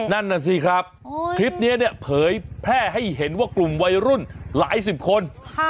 นั่นน่ะสิครับคลิปนี้เนี่ยเผยแพร่ให้เห็นว่ากลุ่มวัยรุ่นหลายสิบคน